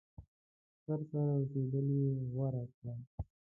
خسر سره اوسېدل یې غوره کړه.